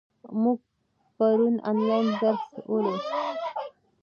موږ پرون آنلاین درس ولوست.